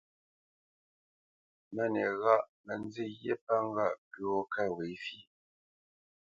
Máni ghâʼ mə nzî ghyé pə ŋgâʼ pʉ̌ gho ká ghwě fyeʼ.